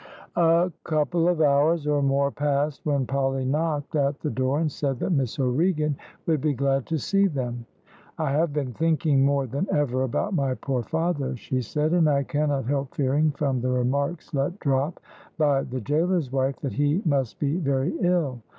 A couple of hours or more passed, when Polly knocked at the door, and said that Miss O'Regan would be glad to see them. "I have been thinking more than ever about my poor father," she said, "and I cannot help fearing from the remarks let drop by the gaoler's wife, that he must be very ill.